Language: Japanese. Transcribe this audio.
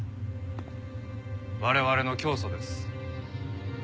我々の教祖です。